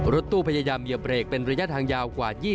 รถตู้พยายามอย่าไปเปรกเป็นระยะทางยาวกว่า๒๐เมตร